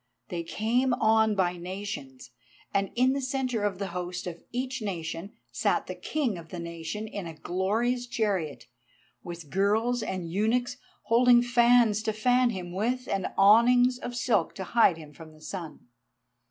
They came on by nations, and in the centre of the host of each nation sat the king of the nation in a glorious chariot, with girls and eunuchs, holding fans to fan him with and awnings of silk to hide him from the sun.